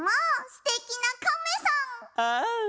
すてきなカメさん。